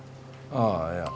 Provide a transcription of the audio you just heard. あっいや。